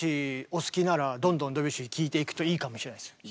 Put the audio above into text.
お好きならどんどんドビュッシー聴いていくといいかもしれないですよ。